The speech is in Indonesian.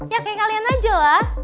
ya kayak kalian aja ya